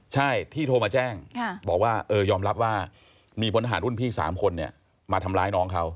ใช่ที่โทรมาแจ้งบอกว่ายอมรับว่ามีพลทหารรุ่นพี่๓คนมาทำร้ายน้องเขา